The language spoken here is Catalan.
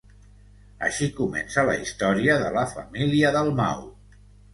Així comença la història de la família Dalmau.